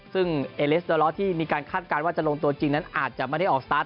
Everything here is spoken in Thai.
ซึ่งเอเลสดอลล้อที่มีการคาดการณ์ว่าจะลงตัวจริงนั้นอาจจะไม่ได้ออกสตาร์ท